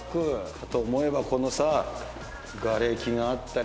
かと思えばがれきがあったり。